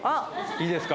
いいですか？